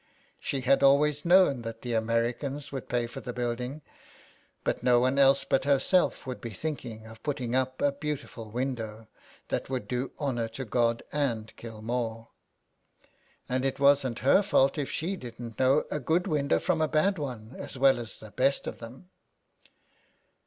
She had always known that the Americans would pay for the building, but no one else but herself would be thinking of putting up a beautiful window 91 SOME PARISHIONERS. that would do honour to God and Kilmore. And it wasn't her fault if she. didn't know a good window from a bad one, as well as the best of them.